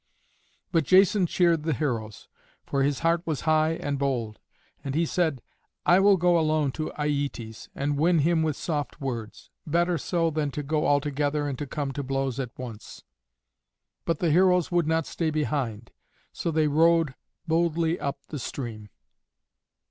But Jason cheered the heroes, for his heart was high and bold, and he said, "I will go alone to Aietes, and win him with soft words. Better so than to go altogether and to come to blows at once." But the heroes would not stay behind so they rowed boldly up the stream.